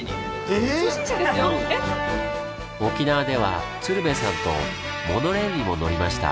沖縄では鶴瓶さんとモノレールにも乗りました。